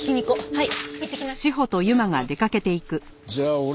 はい。